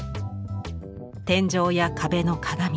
天井や壁の鏡